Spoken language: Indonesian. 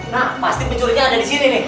nah pasti pencurinya ada disini nih